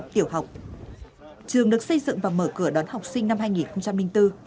trường được xây dựng và mở cửa đón học sinh năm hai nghìn bốn